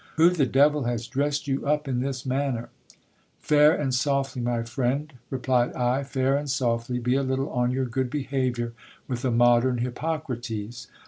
Who the devil has dressed you up in this manner ? Fair and softly, my friend, replied I, GIL BIAS PRACTISIXG PHYSIC. A? fair and softly, be a little on your good behaviour with a modern Hippocrates.